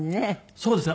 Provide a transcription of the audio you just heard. そうですね。